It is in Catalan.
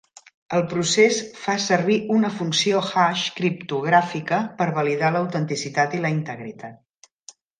El procés fa servir una funció hash criptogràfica per validar l'autenticitat i la integritat.